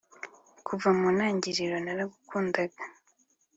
kuva mu ntangiriro naragukundaga